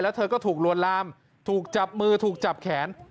เธอก็ถูกลวนลามถูกจับมือถูกจับแขน